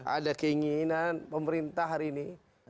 ada keinginan pemerintah hari ini